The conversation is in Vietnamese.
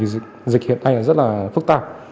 vì tình hình dịch hiện nay rất là phức tạp